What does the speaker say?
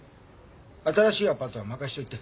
新しいアパートは任せといて。